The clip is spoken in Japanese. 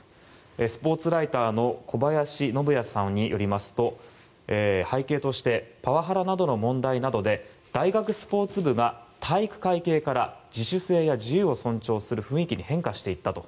スポーツライターの小林信也さんによりますと背景としてパワハラなどの問題などで大学スポーツ部が体育会系から自主性や自由を尊重する雰囲気に変化していったと。